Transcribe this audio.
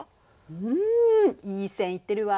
うんいい線行ってるわ。